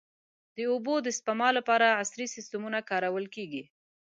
د اوبو د سپما لپاره عصري سیستمونه کارول کېږي.